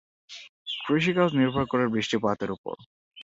কৃষিকাজ নির্ভর করে বৃষ্টিপাতের উপর।